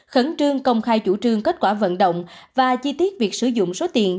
khẩn trương công khai chủ trương kết quả vận động và chi tiết việc sử dụng số tiền